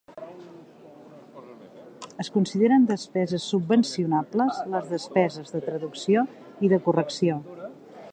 Es consideren despeses subvencionables les despeses de traducció i de correcció.